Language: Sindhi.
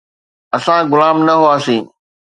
اسان غلام نه هئاسين.